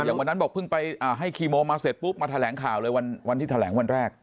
อย่างวันนั้นบอกเพิ่งไปให้คีโมมาเสร็จปุ๊บมาแถลงข่าวเลยวันที่แถลงวันแรก